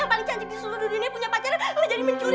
yang paling cancik di seluruh dunia punya pacaran menjadi mencuri